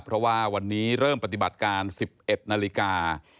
เพราะว่าวันนี้เริ่มปฏิบัติการ๑๑นาฬิกา